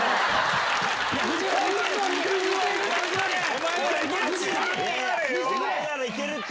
お前ならいけるって！